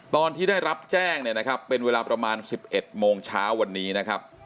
ตอนที่ได้รับแจ้งเนี่ยนะครับเป็นเวลาประมาณ๑๑โมงเช้าวันนี้นะครับ